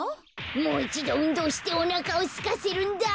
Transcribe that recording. もういちどうんどうしておなかをすかせるんだ。